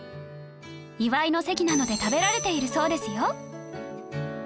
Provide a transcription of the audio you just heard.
祝いの席などで食べられているそうですよ